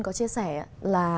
có chia sẻ là